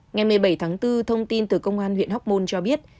ngày một mươi bảy tháng bốn thông tin từ công an huyện hóc môn cho biết